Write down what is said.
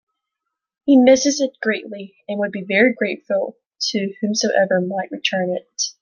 He misses it greatly and would be very grateful to whomsoever might return it.